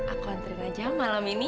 aku antri aja malam ini